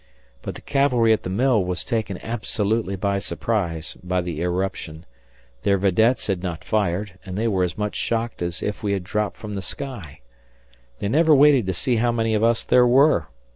But the cavalry at the mill were taken absolutely by surprise by the irruption; their videttes had not fired, and they were as much shocked as if we had dropped from the sky. They never waited to see how many of us there were.